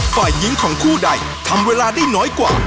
ฝ่ายหญิงของคู่ใดทำเวลาได้น้อยกว่า